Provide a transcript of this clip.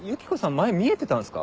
前見えてたんすか？